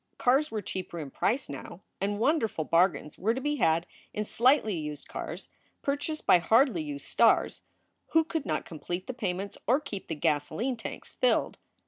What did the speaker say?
Cars were cheaper in price now, and wonderful bargains were to be had in slightly used cars purchased by hardly used stars who could not complete the payments or keep the gasoline tanks filled.